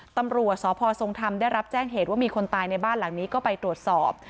ตำรวจสพทรงธรรมได้รับแจ้งเหตุว่ามีคนตายในบ้านหลังนี้ก็ไปตรวจสอบ